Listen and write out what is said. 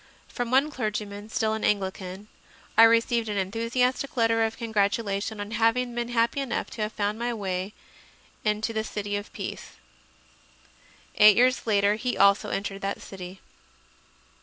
From one clergyman, still an Anglican, I received an enthusiastic letter of congratulation on having been happy enough to have found my way into the CONFESSIONS OF A CONVERT 137 City of Peace. Eight years later he also entered that city.